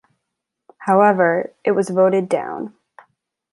However, it was voted down.